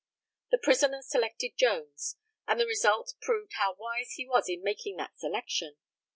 The prisoner selected Jones, and the result proved how wise he was in making that selection.